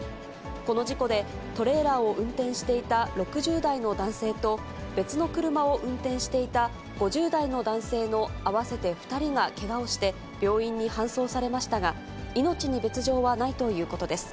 この事故で、トレーラーを運転していた６０代の男性と、別の車を運転していた５０代の男性の合わせて２人がけがをして、病院に搬送されましたが、命に別状はないということです。